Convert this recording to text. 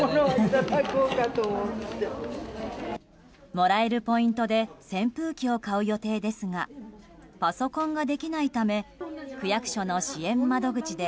もらえるポイントで扇風機を買う予定ですがパソコンができないため区役所の支援窓口で